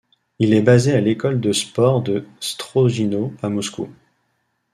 Il est basé à l'école de sport de Strogino, à Moscou.